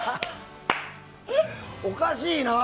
おかしいな！